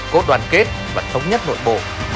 cốt đoàn kết và thống nhất nội bộ